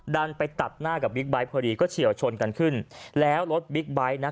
ดันไปตัดหน้ากับบิ๊กไบท์พอดีก็เฉียวชนกันขึ้นแล้วรถบิ๊กไบท์นะ